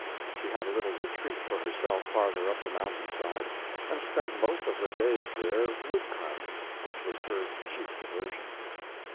She had a little retreat for herself farther up the mountain side, and spent most of her days there wood carving, which was her chief diversion.